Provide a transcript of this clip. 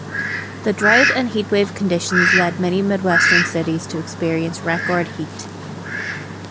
The drought and heat wave conditions led many Midwestern cities to experience record heat.